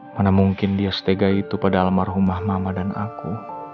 mana mungkin dia stega itu pada almarhumah mama dan aku